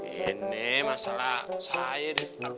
ini masalah saya